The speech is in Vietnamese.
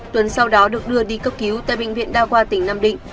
tuấn sau đó được đưa đi cấp cứu tại bệnh viện đa khoa tỉnh nam định